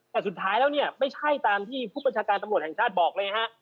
แต่สุดท้ายแล้วเนี่ยไม่ใช่ตามที่ผู้บัญชาการตำรวจแห่งชาติบอกเลยฮะ